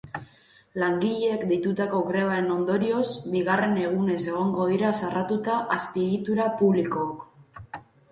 Langileek deitutako grebaren ondorioz, bigarren egunez egongo dira zarratuta azpiegitura publikook.